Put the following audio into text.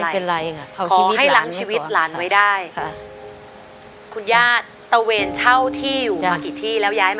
ขอบคุณครับ